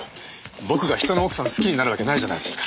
僕が人の奥さんを好きになるわけないじゃないですか。